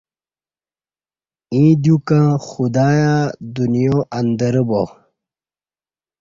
ایں دیوکں خدایا دنیااندرہ با